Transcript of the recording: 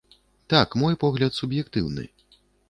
Так, мой погляд суб'ектыўны.